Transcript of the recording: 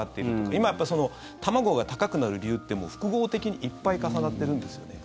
今、卵が高くなる理由って複合的にいっぱい重なってるんですよね。